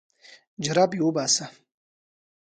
جرابې وباسه.